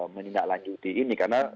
menindaklanjuti ini karena